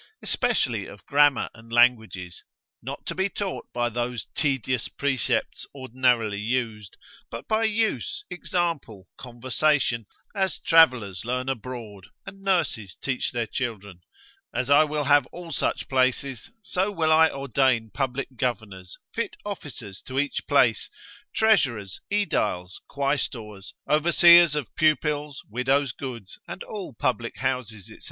especially of grammar and languages, not to be taught by those tedious precepts ordinarily used, but by use, example, conversation, as travellers learn abroad, and nurses teach their children: as I will have all such places, so will I ordain public governors, fit officers to each place, treasurers, aediles, quaestors, overseers of pupils, widows' goods, and all public houses, &c.